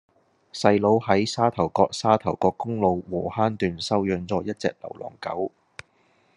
細佬喺沙頭角沙頭角公路禾坑段收養左一隻流浪狗